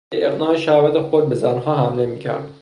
برای اقناع شهوت خود به زنها حمله میکرد.